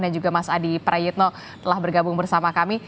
dan juga mas adi prayitno telah bergabung bersama kami